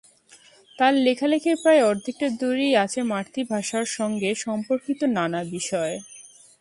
তাঁর লেখালেখির প্রায় অর্ধেকটা জুড়েই আছে মাতৃভাষার সঙ্গে সম্পর্কিত নানা বিষয়।